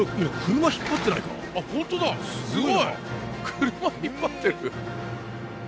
車引っ張ってる。